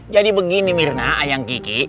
jadi begini mirna ayang kiki